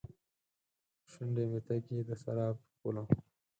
شونډې مې تږې ، دسراب په پولو